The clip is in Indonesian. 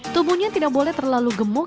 tubuhnya tidak boleh terlalu gemuk